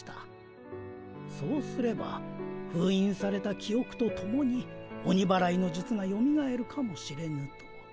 そうすればふういんされた記おくとともに鬼祓いのじゅつがよみがえるかもしれぬと。